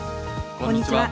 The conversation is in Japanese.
こんにちは。